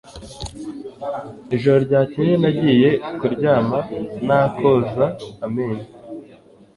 Ijoro ryakeye nagiye kuryama nta koza amenyo